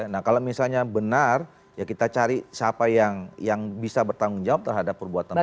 nah kalau misalnya benar ya kita cari siapa yang bisa bertanggung jawab terhadap perbuatan mereka